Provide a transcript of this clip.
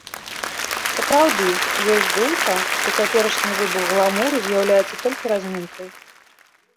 Сапраўды, ёсць думка, што цяперашні выбух гламуру з'яўляецца толькі размінкай.